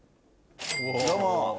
どうも！